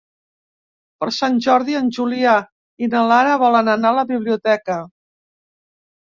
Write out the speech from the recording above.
Per Sant Jordi en Julià i na Lara volen anar a la biblioteca.